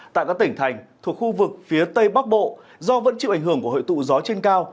tại các tỉnh thành thuộc khu vực phía tây bắc bộ do vẫn chịu ảnh hưởng của hội tụ gió trên cao